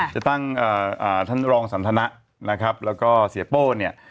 จะตั้งท่านรองสันทนะนะครับแล้วก็เสียโป้เนี่ย